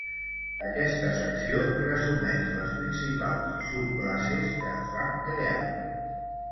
Aquesta secció resumeix les principals subclasses que es van crear.